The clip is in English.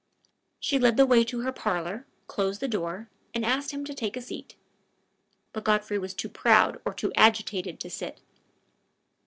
She led the way to her parlor, closed the door, and asked him to take a seat. But Godfrey was too proud or too agitated to sit.